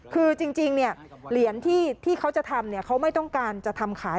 คือจริงเหรียญที่เขาจะทำเขาไม่ต้องการจะทำขาย